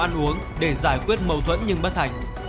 ăn uống để giải quyết mâu thuẫn nhưng bất thành